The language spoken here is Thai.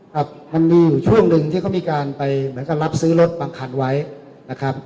ครับมันมีอยู่ช่วงหนึ่งที่เขามีการไปเหมือนกับรับซื้อรถบางคันไว้นะครับ